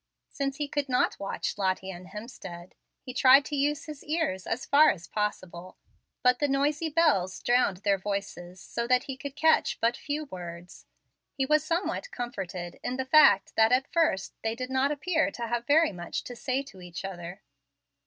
Since he could not watch Lottie and Hemstead, he tried to use his ears as far as possible, but the noisy bells drowned their voices, so that he could catch but few words. He was somewhat comforted in the fact that at first they did not appear to have very much to say to each other.